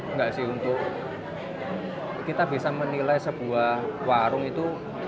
enggak sih untuk kita bisa menilai sebuah warung itu